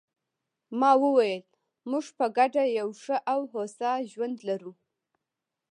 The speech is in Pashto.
ما وویل: موږ په ګډه یو ښه او هوسا ژوند لرو.